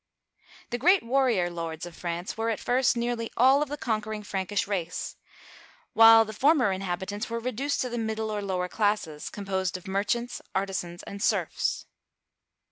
The great warrior lords of France were at first nearly all of the conquering Frankish race, while the former in habitants were reduced to the middle or lower classes, composed of merchants, artisans, and serfs.